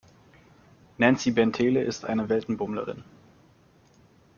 Nancy Bentele ist eine Weltenbummlerin.